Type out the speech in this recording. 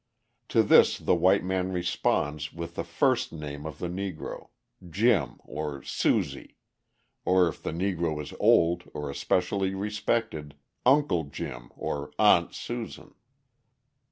To this the white man responds with the first name of the Negro, "Jim" or "Susie" or if the Negro is old or especially respected: "Uncle Jim" or "Aunt Susan."